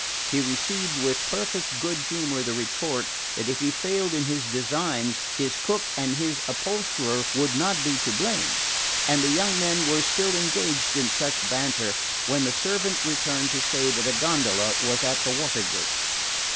He received with perfect good humour the retort that if he failed in his designs his cook and his upholsterer would not be to blame; and the young men were still engaged in such banter when the servant returned to say that a gondola was at the water gate.